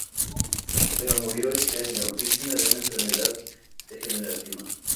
Pero murió ese año, víctima de una enfermedad degenerativa.